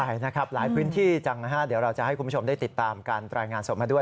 ใช่นะครับหลายพื้นที่จังนะฮะเดี๋ยวเราจะให้คุณผู้ชมได้ติดตามการรายงานสดมาด้วย